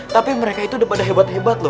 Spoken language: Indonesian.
tapi mereka itu udah pada hebat hebat loh